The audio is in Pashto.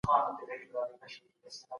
کوم شیان وګړي یو له بل سره تړي؟